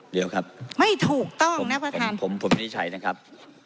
เดี๋ยวครับไม่ถูกต้องนะประธานผมผมวินิจฉัยนะครับ